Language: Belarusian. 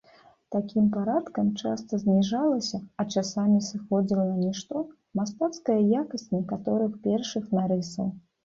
Такім парадкам часта зніжалася, а часамі сыходзіла на нішто, мастацкая якасць некаторых першых нарысаў.